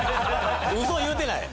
ウソ言うてない。